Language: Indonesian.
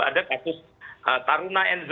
ada kasus taruna enzo